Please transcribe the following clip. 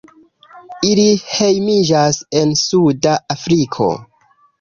Ili hejmiĝas en Suda Afriko.